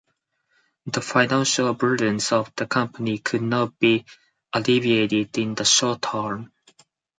The financial burdens of the company could not be alleviated in the short term.